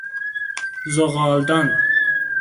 زغالدان